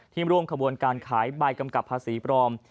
ร่วมขบวนการขายใบกำกับภาษีปลอม